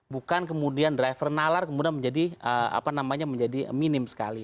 bukan kemudian driver nalar kemudian menjadi apa namanya menjadi minim sekali